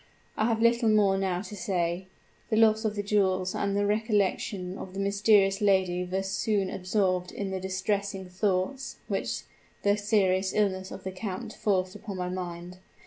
"I have little more now to say. The loss of the jewels and the recollection of the mysterious lady were soon absorbed in the distressing thoughts which the serious illness of the count forced upon my mind.